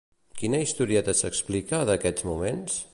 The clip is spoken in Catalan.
Quina historieta s'explica, d'aquests moments?